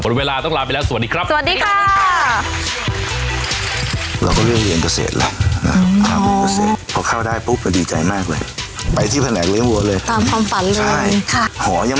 หมดเวลาต้องลาไปแล้วสวัสดีครับ